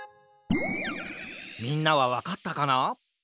みんなはわかったかな？